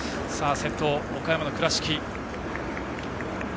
先頭は岡山の倉敷。